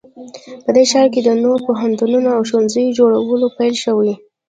په دې ښار کې د نوو پوهنتونونو او ښوونځیو جوړول پیل شوي